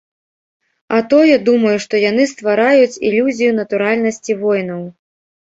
А тое, думаю, што яны ствараюць ілюзію натуральнасці войнаў.